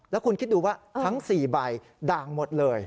แล้วคุณคิดดูว่าทั้ง๔ใบด่างหมดเลย